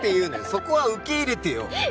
そこは受け入れてよ！